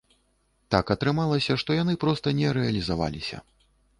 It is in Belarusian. Так атрымалася, што яны проста не рэалізаваліся.